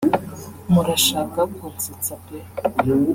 murashaka kunsetsa pe